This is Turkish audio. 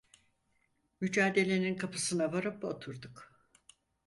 Mücadele'nin kapısına varıp oturduk.